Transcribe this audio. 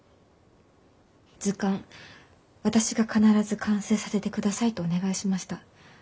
図鑑私が必ず完成させてくださいとお願いしました。